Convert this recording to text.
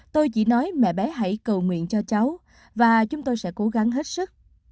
tôi chỉ nói mẹ bé hãy cầu nguyện cho cháu và chúng tôi sẽ cố gắng hết sức